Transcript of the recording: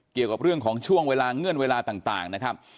เกี่ยวกับเรื่องของช่วงเวลาเงื่อนเวลาต่างนะครับ